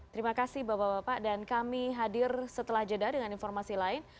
terima kasih bapak bapak dan kami hadir setelah jeda dengan informasi lain